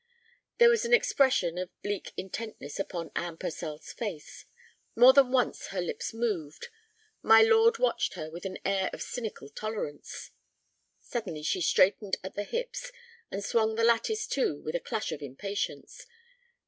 There was an expression of bleak intentness upon Anne Purcell's face. More than once her lips moved. My lord watched her with an air of cynical tolerance. Suddenly she straightened at the hips and swung the lattice to with a clash of impatience.